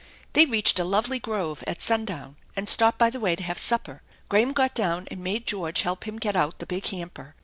They reached a lovely grove at sundown and stopped by the way to have supper. Graham got down and made George help him get out the big hamper.